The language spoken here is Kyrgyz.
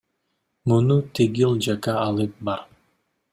Муну тигил жакка алып бар!